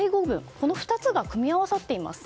この２つが組み合わさっています。